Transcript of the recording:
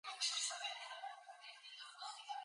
A national controversy ensued.